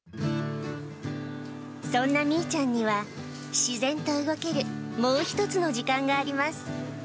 そんなみいちゃんには、自然と動けるもう一つの時間があります。